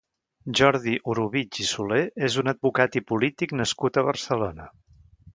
Jordi Orobitg i Solé és un advocat i polític nascut a Barcelona.